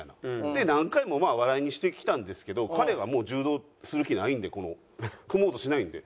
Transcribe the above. で何回も笑いにしてきたんですけど彼がもう柔道する気ないんでこの組もうとしないんで。